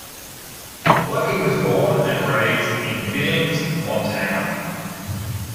Luckey was born and raised in Billings, Montana.